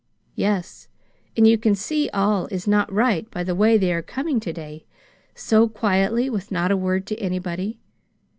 "Yes; and you can see all is not right by the way they are coming to day so quietly, with not a word to anybody.